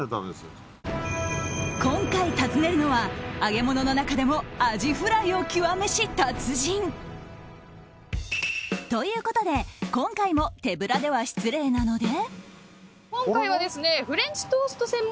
今回訪ねるのは揚げ物の中でもアジフライを極めし達人。ということで今回も手ぶらでは失礼なので。